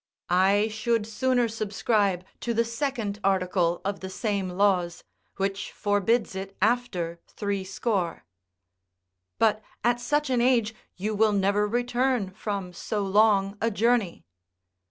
I should sooner subscribe to the second article of the same Laws, which forbids it after threescore. "But, at such an age, you will never return from so long a journey."